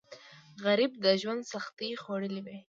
غریب د ژوند سختۍ خوړلي وي